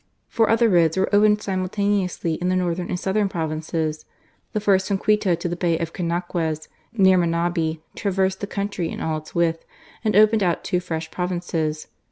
Four other roads were opened simultaneously in the northern and southern provinces. The first from Quito to the Bay of Canaques, near Manahi, traversed the country in all its width, and opened out two fresh provinces.